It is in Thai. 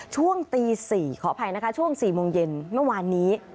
ช่วงตีสี่ขอเราภัยนะคะช่วงสี่โมงเย็นเมื่อนี้